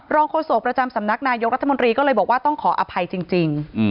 โฆษกประจำสำนักนายกรัฐมนตรีก็เลยบอกว่าต้องขออภัยจริง